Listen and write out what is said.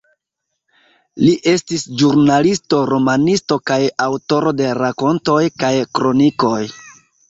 Li estis ĵurnalisto, romanisto kaj aŭtoro de rakontoj kaj kronikoj.